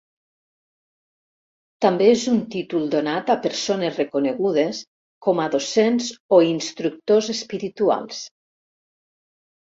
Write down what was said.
També és un títol donat a persones reconegudes com a docents o instructors espirituals.